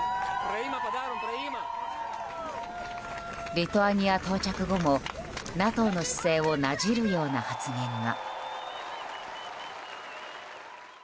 リトアニア到着後もＮＡＴＯの姿勢をなじるような発言が。